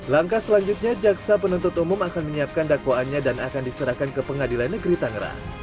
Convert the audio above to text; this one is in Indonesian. langkah selanjutnya jaksa penuntut umum akan menyiapkan dakwaannya dan akan diserahkan ke pengadilan negeri tangerang